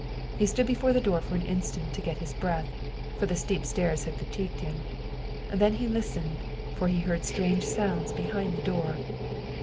He stood before the door for an instant to get his breath, for the steep stairs had fatigued him. Then he listened, for he heard strange sounds behind the door.